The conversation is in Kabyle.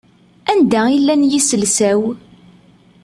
Anda i llan yiselsa-w?